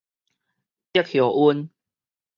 竹葉鰮